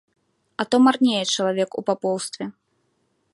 А то марнее чалавек у папоўстве.